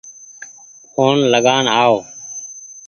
ڦون لگآن آئو